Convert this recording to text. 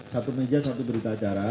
satu meja satu berita acara